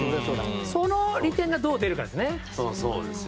その利点がどう出るかですね。